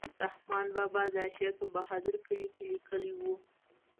رحمان بابا دا شعر په بهادر کلي کې لیکلی و.